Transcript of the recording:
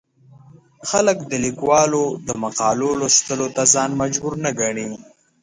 خلک د ليکوالو د مقالو لوستلو ته ځان مجبور نه ګڼي.